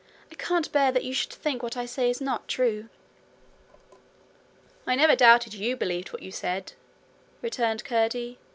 I can't bear you should think what I say is not true.' 'I never doubted you believed what you said,' returned Curdie.